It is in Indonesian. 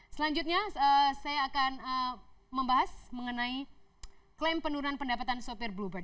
selanjutnya saya akan membahas mengenai klaim penurunan pendapatan sopir bluebir